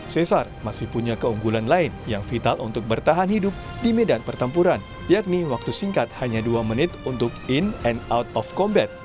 cesar masih punya keunggulan lain yang vital untuk bertahan hidup di medan pertempuran yakni waktu singkat hanya dua menit untuk in and out of combat